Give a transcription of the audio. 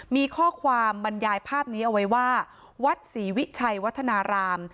มีข้อความบรรยายภาพนี้เอาไว้ว่าวัดศรีวิชัยวัฒนาราม